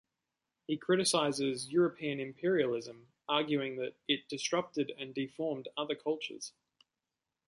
He criticizes European imperialism, arguing that it disrupted and deformed other cultures.